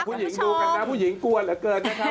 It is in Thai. ผู้หญิงดูกันนะผู้หญิงกลัวเหลือเกินนะคะ